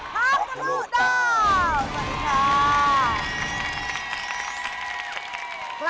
ท้อคทะลุดาวสวัสดีครับ